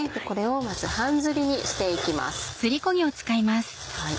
これをまず半ずりにして行きます。